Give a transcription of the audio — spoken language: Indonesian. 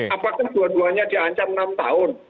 apakah dua duanya diancam enam tahun